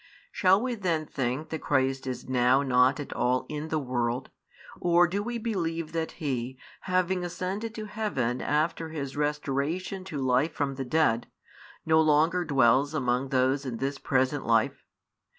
Shall we then think that Christ is now not at all in the world, or do we believe that He, having ascended to heaven after His restoration to life from the dead, no longer dwells among those in this present life?